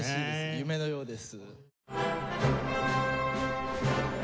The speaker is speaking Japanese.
夢のようです。